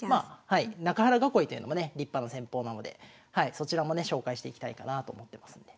中原囲いというのもね立派な戦法なのでそちらもね紹介していきたいかなと思ってますんで。